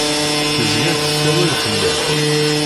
Tezga tessawal fell-am.